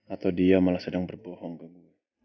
atau dia malah sedang berbohong